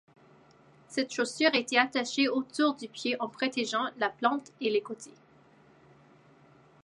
Cette chaussure était attachée autour du pied en protégeant la plante et les côtés.